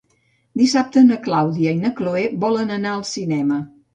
Dissabte na Clàudia i na Cloè volen anar al cinema.